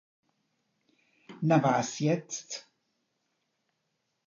Na was jetzt?